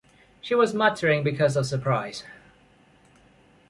She was muttering because of surprise.